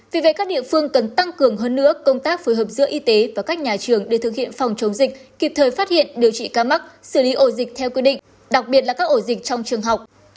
vì vậy các địa phương cần tăng cường hơn nữa công tác phối hợp giữa y tế và các nhà trường để thực hiện phòng chống dịch kịp thời phát hiện điều trị ca mắc xử lý ổ dịch theo quy định đặc biệt là các ổ dịch trong trường học